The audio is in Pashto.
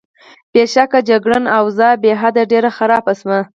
بېشکه، جګړن: اوضاع بېحده ډېره خرابه شوه.